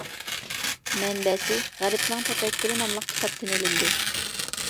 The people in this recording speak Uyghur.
مەنبەسى: «غەربنىڭ تەپەككۇرى» ناملىق كىتابتىن ئىلىندى.